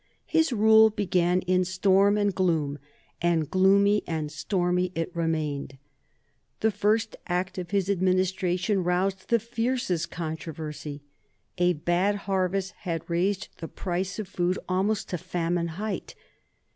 His rule began in storm and gloom, and gloomy and stormy it remained. The first act of his Administration roused the fiercest controversy. A bad harvest had raised the price of food almost to famine height.